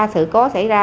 sự cố xảy ra